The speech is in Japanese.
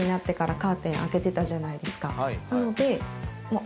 なので。